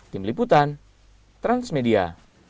tim liputan transmedia